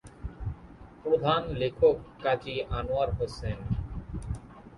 প্রধান লেখক কাজী আনোয়ার হোসেন।